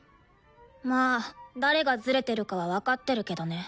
まあ誰がズレてるかは分かってるけどね。